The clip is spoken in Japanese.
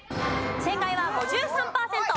正解は５３パーセント。